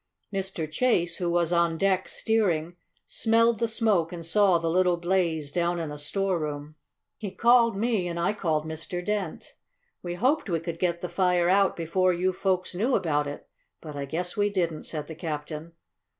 "Mr. Chase, who was on deck steering, smelled the smoke and saw the little blaze down in a storeroom. He called me and I called Mr. Dent. We hoped we could get the fire out before you folks knew about it. But I guess we didn't," said the captain.